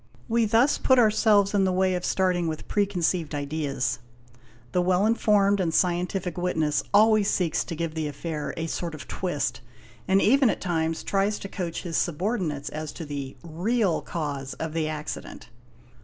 We thus put ourselves in the way of starting with preconceived ideas; the well informed and scientific witness always seeks to give the affair a sort of twist, and even at times tries to coach his subordinates as to '"' the real cause of the accident''.